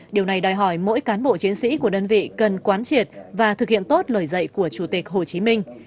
điều này đòi hỏi mỗi cán bộ chiến sĩ của đơn vị cần quán triệt và thực hiện tốt lời dạy của chủ tịch hồ chí minh